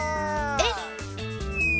えっ？